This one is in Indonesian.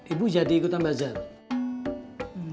ibu jadi ikutan bazarnya